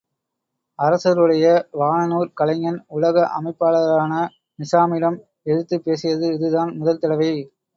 அரசருடைய வானநூற் கலைஞன், உலக அமைப்பாளரான நிசாமிடம் எதிர்த்துப் பேசியது இதுதான் முதல் தடவை.